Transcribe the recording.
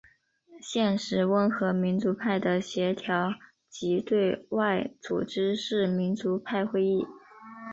现时温和民主派的协调及对外组织是民主派会议。